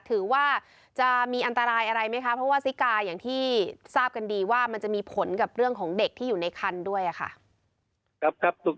ถือว่าจะมีอันตรายอะไรไหมคะเพราะว่าซิกาอย่างที่ทราบกันดีว่ามันจะมีผลกับเรื่องของเด็กที่อยู่ในคันด้วยค่ะ